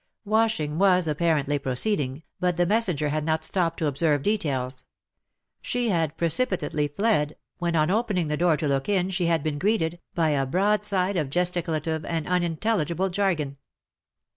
Washing was apparently pro ceeding, but the messenger had not stopped to observe details ; she had precipitately fled when, on opening the door to look in, she had been greeted by a broadside of gesticulative and unintelligible jargon.